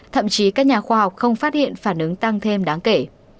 thậm chí các nhà khoa học không phát hiện phản ứng tăng thêm đáng kể